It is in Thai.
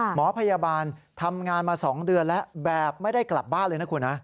หมอพยาบาลทำงานมา๒เดือนแล้วแบบไม่ได้กลับบ้านเลยนะคุณนะ